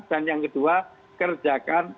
dan yang kedua kerjakan